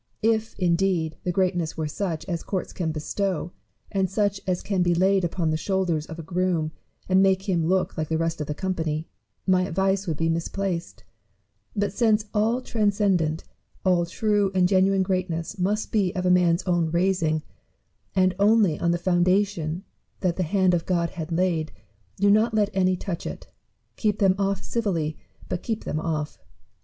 If indeed the greatness were such as courts can bestow, and such as can be laid on the shoulders of a groom and make him look like the rest of the company, my advice would be misplaced ; but since all transcendent, all true and genuine greatness must be of a man's OAvn raising, and only on the foundation that the hand of God has laid, do not let any touch it : keep them ofiT civilly, but keep them oflT.